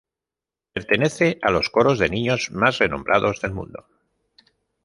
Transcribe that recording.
Pertenece a los coros de niños más renombrados del mundo.